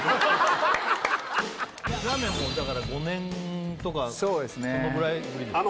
ラーメンも５年とかそのぐらいぶりそうですね